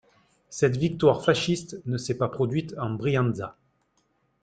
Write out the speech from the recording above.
Cette victoire fasciste ne s'est pas produite en Brianza.